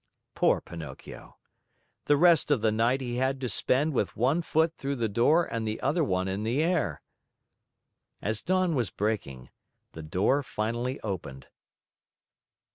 Poor Pinocchio! The rest of the night he had to spend with one foot through the door and the other one in the air. As dawn was breaking, the door finally opened.